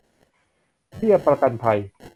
เบี้ยประกันภัย